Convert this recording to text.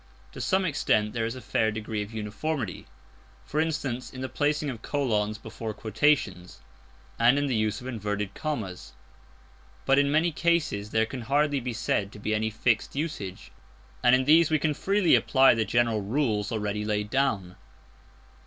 To some extent there is a fair degree of uniformity; for instance, in the placing of colons before quotations, and in the use of inverted commas. But in many cases there can hardly be said to be any fixed usage, and in these we can freely apply the general rules already laid down.